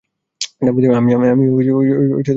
আমি জুনি আলী বেগ বলছি।